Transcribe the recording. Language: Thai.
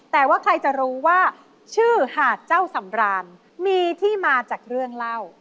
แต่ว่าใครจะรู้ว่าชื่อหาดเจ้าสำรานมีที่มาจากเรื่องเล่า